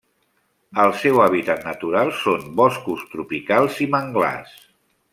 El seu hàbitat natural són boscos tropicals i manglars.